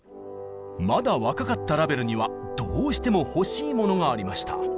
まだ若かったラヴェルにはどうしても欲しいものがありました。